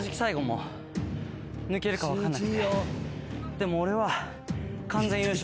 でも俺は。